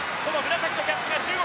紫のキャップが中国。